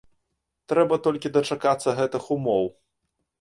Трэба толькі дачакацца гэтых умоў.